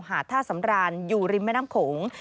หาถ้าสำราญอยู่ริมแม่น้ำขง